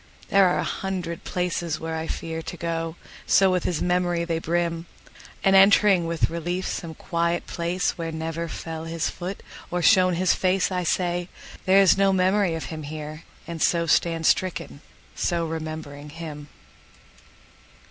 There are a hundred places where I fearTo go,—so with his memory they brim! And entering with relief some quiet placeWhere never fell his foot or shone his faceI say, "There is no memory of him here!"And so stand stricken, so remembering him!